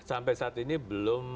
sampai saat ini belum